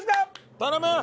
頼む！